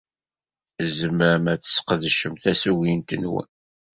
Tzemrem ad tesqedcem tasugint-nwen.